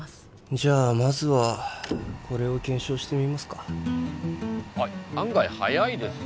じゃあまずはこれを検証してみますかあっ案外はやいですね